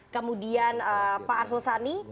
kemudian pak arsul sani